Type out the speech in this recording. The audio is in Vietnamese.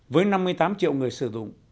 với năm mươi tám triệu người sử dụng